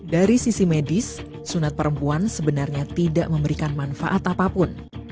dari sisi medis sunat perempuan sebenarnya tidak memberikan manfaat apapun